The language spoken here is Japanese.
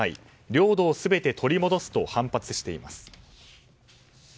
領土を全て取り戻すと反発しています。